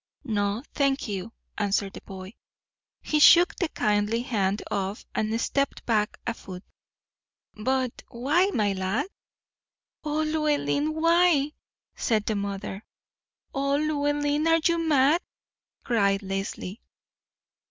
"No, thank you," answered the boy. He shook the kindly hand off and stepped back a foot. "But why, my lad?" "Oh, Llewellyn, why?" said the mother. "Oh, Llewellyn, are you mad?" cried Leslie.